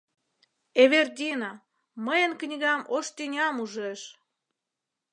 “Эвердина, мыйын книгам ош тӱням ужеш!..